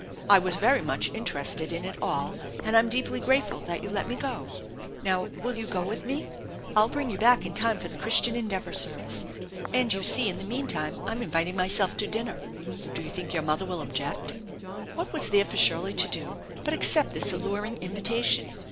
I was very much interested in it all, and I'm deeply grateful that you let me go. Now, will you go with me ? I'll bring you back in time for the Christian Endeavor service, and you see 'in the meantime I'm inviting myself to dinner. Do you think your mother will object?" What was there for Shirley to do but accept this alluring invitation?